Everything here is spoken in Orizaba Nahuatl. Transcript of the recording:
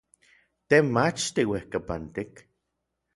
Te mach tiuejkapantik.